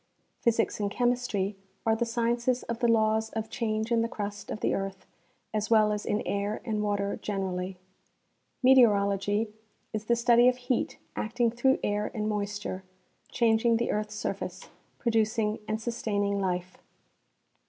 Physics and chemistry are the sciences of the laws of change in the crust of the earth as well as in air and water generall}^ Meteorology is the study of heat acting through air and moisture changing the earth's surface, producing and sustaining life.